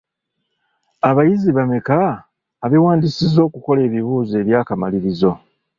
Abayizi bameka abeewandiisizza okukola ebibuuzo eby'akamalirizo?